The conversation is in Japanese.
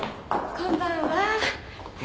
こんばんは。